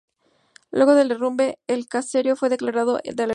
Luego del derrumbe, el caserío fue declarado en Alerta Roja.